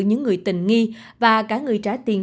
những người tình nghi và cả người trả tiền